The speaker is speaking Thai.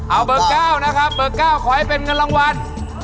เอาเบอร์๙นะครับเบอร์๙ขอให้เป็นเงินรางวัล